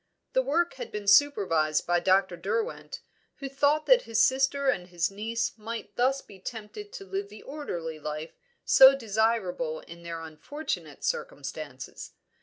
The work had been supervised by Dr. Derwent, who thought that his sister and his niece might thus be tempted to live the orderly life so desirable in their unfortunate circumstances.